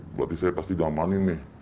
berarti saya pasti diamanin nih